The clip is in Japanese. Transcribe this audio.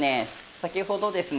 先ほどですね